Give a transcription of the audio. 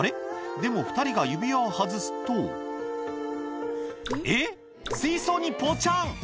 でも２人が指輪を外すとえっ水槽にポチャン？